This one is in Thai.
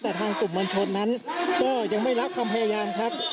แต่ทางกลุ่มมวลชนนั้นก็ยังไม่รับความพยายามครับ